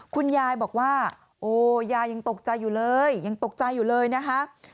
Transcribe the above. คุณยายบอกว่าโอ้ยายยังตกใจอยู่เลยยังตกใจอยู่เลยนะคะ